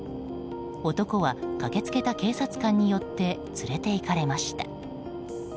男は駆けつけた警察官によって連れていかれました。